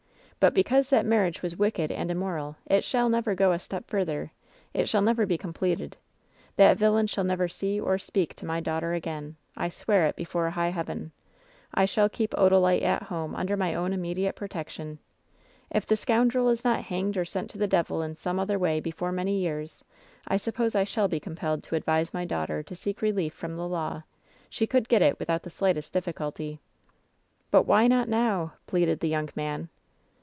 But, because that mar riage was wicked and immoral, it shall never go a step further — it shall never be completed. That villain shall never see or speak to my daughter again. I swear it before high heaven ! I shall keep Odalite at home under my own immediate protection. If the scoundrel is not hanged or sent to the devil in some other way before many years, I suppose I shall be compelled to advise my daughter to seek relief from the law. She could get it without the slightest diflSculty." "But why not now ?" pleaded the young man.